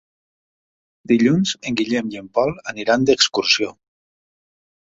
Dilluns en Guillem i en Pol aniran d'excursió.